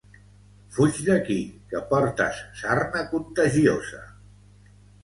¡Fuig d'aquí, que portes sarna contagiosa!